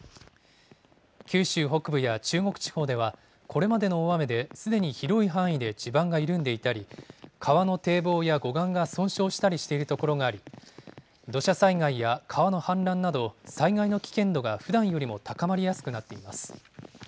九州北部や中国地方ではこれまでの大雨ですでに広い範囲で地盤が緩んでいたり、川の堤防や護岸が損傷したりしている所があり、土砂災害や川の氾濫など、災害の危険度がふだんよりも高まりやすくなっています。